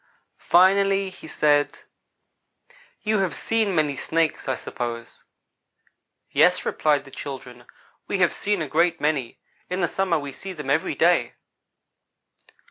Finally he said: "You have seen many Snakes, I suppose?" "Yes," replied the children, "we have seen a great many. In the summer we see them every day."